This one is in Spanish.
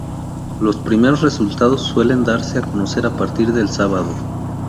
Los primeros resultados suelen darse a conocer a partir del sábado.